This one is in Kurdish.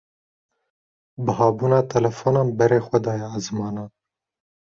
Buhabûna telefonan berê xwe daye ezmanan.